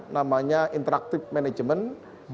namanya interactive management